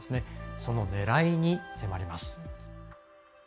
そのねらいに迫ります。